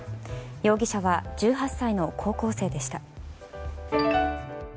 容疑者は１８歳の高校生でした。